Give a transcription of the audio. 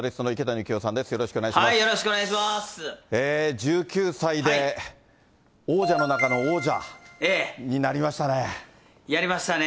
はい、１９歳で、王者の中の王者にやりましたね。